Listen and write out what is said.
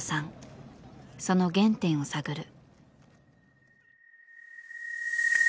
その原点を探る。